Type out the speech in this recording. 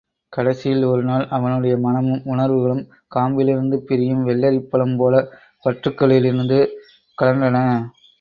கடைசியில் ஒரு நாள், அவனுடைய மனமும் உணர்வுகளும் காம்பிலிருந்து பிரியும் வெள்ளரிப் பழம் போலப் பற்றுக்களிலிருந்து கழன்றன.